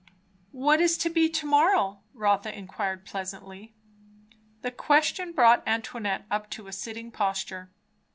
"What is to be to morrow?" Rotha inquired pleasantly. The question brought Antoinette up to a sitting posture.